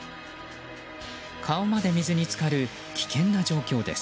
顔まで水に浸かる危険な状況です。